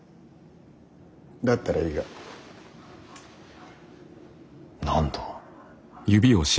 だったらいいが。何だ。